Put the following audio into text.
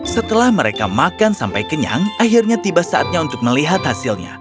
setelah mereka makan sampai kenyang akhirnya tiba saatnya untuk melihat hasilnya